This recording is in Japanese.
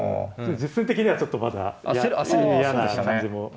実戦的にはちょっとまだ嫌な感じもありますけどね。